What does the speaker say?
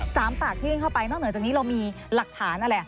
สามปากที่ยื่นเข้าไปนอกเหนือจากนี้เรามีหลักฐานอะไร